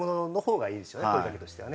声かけとしてはね。